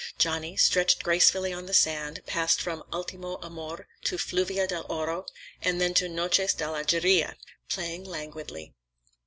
Johnny, stretched gracefully on the sand, passed from "Ultimo Amor" to "Fluvia de Oro," and then to "Noches de Algeria," playing languidly.